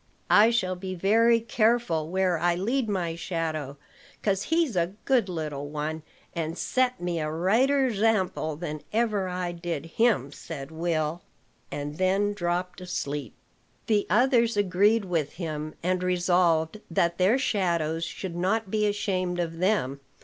"I shall be very careful where I lead my shadow; 'cause he's a good little one, and set me a righter zarmple than ever I did him," said Will, and then dropped asleep. The others agreed with him, and resolved that their shadows should not be ashamed of them.